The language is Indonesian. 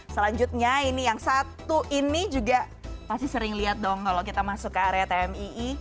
selanjutnya ini yang satu ini juga pasti sering lihat dong kalau kita masuk ke area tmii